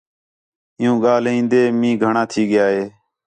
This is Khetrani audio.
عیوں ڳاھلین٘دین مِین٘ہ گھݨاں تھی ڳِیا ہِے